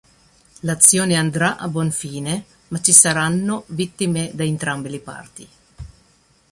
L'azione andrà a buon fine, ma ci saranno vittime da entrambe le parti.